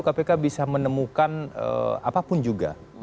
kpk bisa menemukan apapun juga